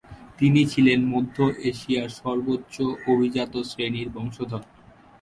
তিনি ছিলেন মধ্য এশিয়ার সর্বোচ্চ অভিজাত শ্রেণীর বংশধর।